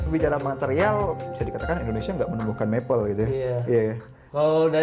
bisnis jam tangan kayunya